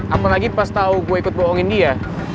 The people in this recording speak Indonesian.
apalagi pas tau gue ikut bohongin dia